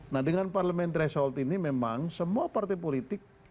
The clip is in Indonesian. nah dengan parlement threshold ini memang semua partai politik